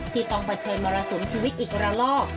ที่ต้องเผชิญมรสุมชีวิตอีกระลอก